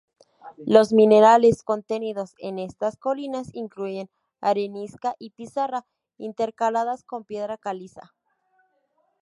Los minerales contenidos en estas colinas incluyen arenisca y pizarra intercaladas con piedra caliza.